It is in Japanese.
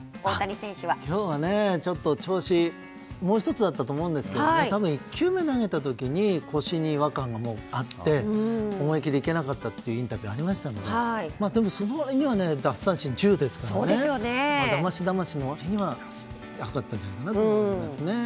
今日はちょっと調子がもう一つだったと思うんですけど１球目投げた時に腰に違和感があって思い切りいけなかったというインタビューがありましたけどでも、その割には奪三振が１０ですからだましだましの割には良かったんじゃないかと思います。